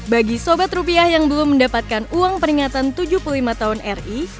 bagi sobat rupiah yang belum mendapatkan uang peringatan tujuh puluh lima tahun ri